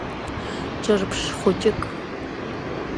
Ҿырԥш хәыҷык.